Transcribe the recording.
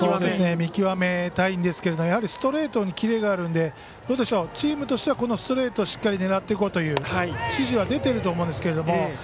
見極めたいんですけどやはりストレートにキレがあるのでチームとしては、ストレートをしっかり狙っていこうという指示は出ていると思うんですけど。